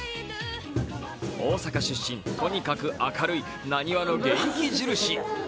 大阪出身、とにかく明るいなにわの元気印。